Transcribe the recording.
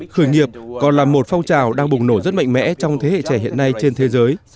khởi nghiệp còn là một phong trào đang bùng nổ rất mạnh mẽ trong thế hệ trẻ hiện nay trên thế giới